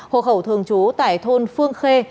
hồ khẩu thường trú tại thôn phương khê